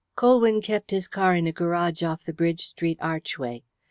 Colwyn kept his car in a garage off the Bridge Street archway.